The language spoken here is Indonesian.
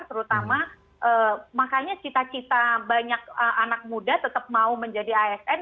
terutama makanya cita cita banyak anak muda tetap mau menjadi asn